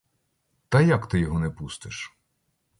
Та як ти його не пустиш?